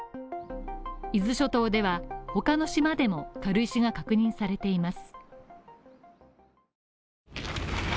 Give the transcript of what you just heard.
伊豆諸島では他の島での軽石が確認されています。